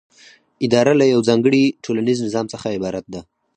اداره له یوه ځانګړي ټولنیز نظام څخه عبارت ده.